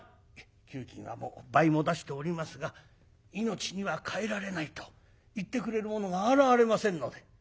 「給金はもう倍も出しておりますが命には代えられないと行ってくれる者が現れませんので」。